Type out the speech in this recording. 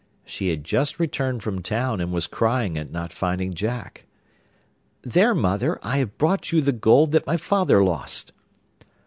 She had just returned from town, and was crying at not finding Jack. 'There, mother, I have brought you the gold that my father lost.